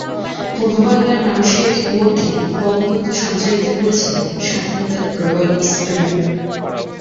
প্রাচীন নৌ সফরের সময়ে ব্যবহৃত হত।